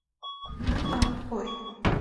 A. Poe.